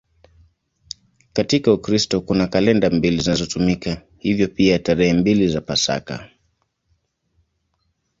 Katika Ukristo kuna kalenda mbili zinazotumika, hivyo pia tarehe mbili za Pasaka.